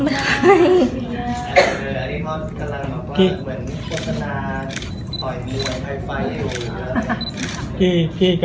อันนี้ใครคะ